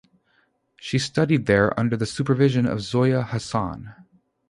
She studied there under the supervision of Zoya Hasan.